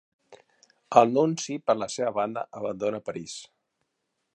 El Nunci per la seva banda abandona París.